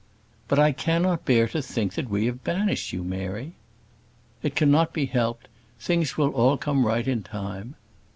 "But I cannot bear to think that we have banished you, Mary." "It cannot be helped. Things will all come right in time."